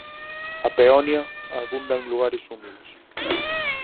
A peonia abunda en lugares húmidos.